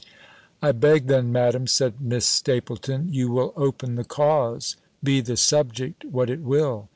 "I beg, then, Madam," said Miss Stapylton, "you will open the cause, be the subject what it will.